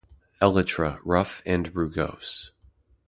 Elytra rough and rugose.